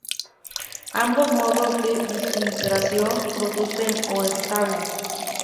Ambos modos de desintegración producen O estable.